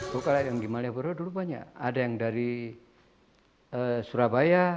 kalau yang di malioboro dulu banyak ada yang dari surabaya